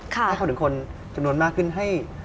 ให้เขาถึงคนจำนวนมากขึ้นให้